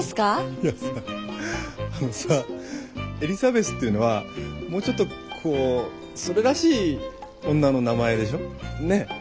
いやさあのさエリザベスっていうのはもうちょっとこうそれらしい女の名前でしょ？ね？